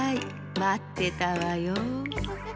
まってたわよ。